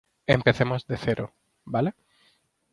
empecemos de cero, ¿ vale?